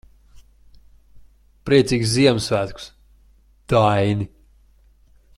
Priecīgus Ziemassvētkus, Daini.